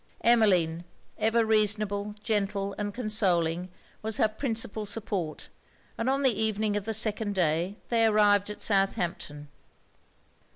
Emmeline, ever reasonable, gentle, and consoling, was her principal support; and on the evening of the second day they arrived at Southampton.